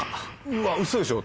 うわっウソでしょ？